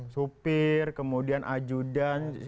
supir kemudian ajudan